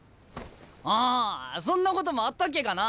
ああそんなこともあったっけかなあ？